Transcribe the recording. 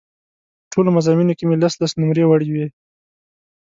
په ټولو مضامینو کې مې لس لس نومرې وړې وې.